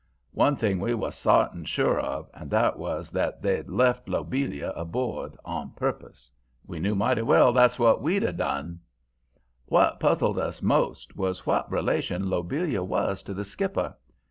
One thing we was sartin sure of, and that was that they'd left Lobelia aboard on purpose. We knew mighty well that's what we'd a done. "What puzzled us most was what relation Lobelia was to the skipper.